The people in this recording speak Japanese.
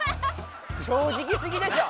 正直すぎでしょ！